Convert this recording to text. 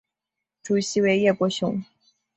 主席为叶柏雄。